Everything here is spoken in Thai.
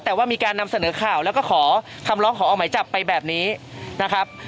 แต่ว่ามีการนำเสนอข่าวแล้วก็ขอคำร้องขอออกหมายจับไปแบบนี้นะครับ